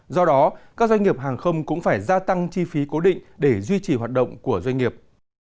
do đó các doanh nghiệp hàng không cũng phải gia tăng chi phí cố định để duy trì hoạt động của doanh nghiệp